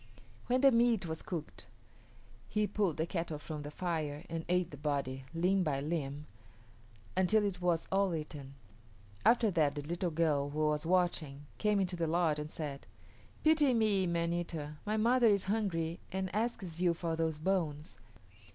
When the meat was cooked he pulled the kettle from the fire and ate the body, limb by limb, until it was all eaten. After that the little girl who was watching came into the lodge and said, "Pity me, man eater, my mother is hungry and asks you for those bones."